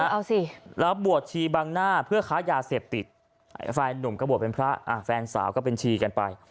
เอาสิแล้วบวชชีบางหน้าเพื่อข้ายาเสพติดแฟนสาวก็เป็นชีกันไป